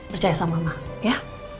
percaya sama mama ya